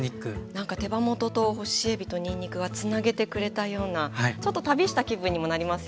なんか手羽元と干しえびとにんにくがつなげてくれたようなちょっと旅した気分にもなりますよね。